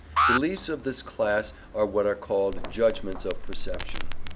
Beliefs of this class are what are called "judgments of perception."